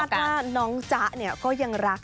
ซึ่งถ้าถ้าน้องจ๊ะเนี่ยก็ยังรัก